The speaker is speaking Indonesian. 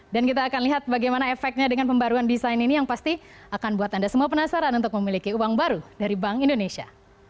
dan kita akan lihat bagaimana efeknya dengan pembaruan desain ini yang pasti akan buat anda semua penasaran untuk memiliki uang baru dari bank indonesia